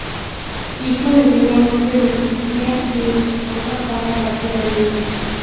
Hijo de Diego López de Zúñiga y de su esposa Juana García de Leiva.